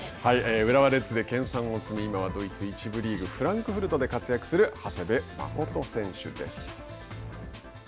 浦和レッズで研さんを積み今はドイツ１部リーグフランクフルトで活躍する長谷部誠選手です。